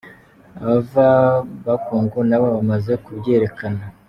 Abava Bas Congo nabo bamaze kubyerekana.